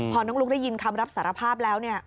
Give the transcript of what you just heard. พอน้องลุ๊กได้ยินคำรับสารภาพแล้วเนี่ย